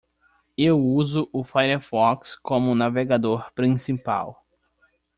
Eu uso o Firefox como navegador principal.